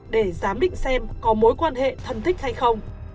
để giám định xem có mối quan hệ thân thích hay không